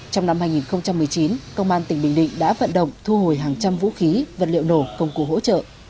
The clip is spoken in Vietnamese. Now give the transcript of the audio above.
trong năm hai nghìn một mươi chín công an tỉnh bình định đã vận động thu hồi hàng trăm vũ khí vật liệu nổ công cụ hỗ trợ